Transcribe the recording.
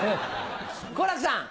好楽さん。